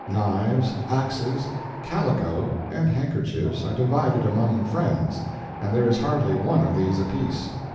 Knives, axes, calico, and handkerchiefs are divided among friends, and there is hardly one of these apiece.